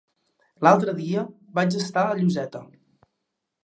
L'altre dia vaig estar a Lloseta.